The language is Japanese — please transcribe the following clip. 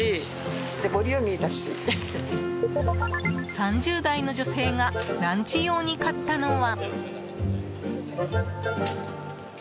３０代の女性がランチ用に買ったのは。